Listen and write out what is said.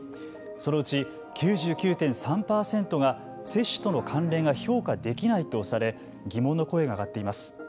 そのうち９９．３％が接種との関連が評価できないとされ疑問の声が上がっています。